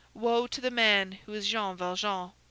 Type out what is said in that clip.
Woe to the man who is Jean Valjean!